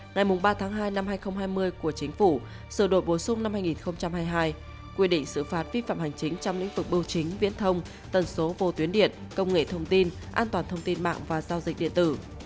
ngày ba tháng hai năm hai nghìn hai mươi của chính phủ sửa đổi bổ sung năm hai nghìn hai mươi hai quy định xử phạt vi phạm hành chính trong lĩnh vực bưu chính viễn thông tần số vô tuyến điện công nghệ thông tin an toàn thông tin mạng và giao dịch điện tử